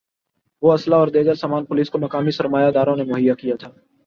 ہ اسلحہ اور دیگر سامان پولیس کو مقامی سرمایہ داروں نے مہیا کیا تھا